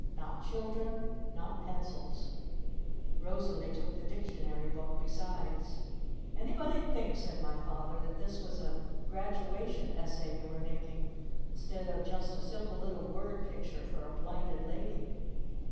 Not children! Not pencils! Rosalee took the Dictionary Book besides. "Anybody'd think," said my Father, "that this was a Graduation Essay you were making instead of just a simple little word picture for a Blinded Lady!"